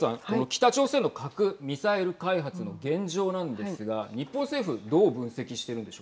北朝鮮の核・ミサイル開発の現状なんですが日本政府、どう分析